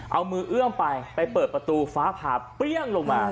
เอามือเอื้อมไปไปเปิดประตูฟ้าผ่าเปรี้ยงลงมา